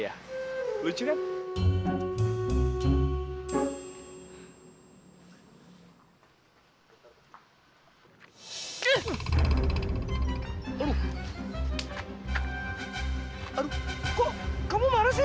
aduh kok kamu marah sih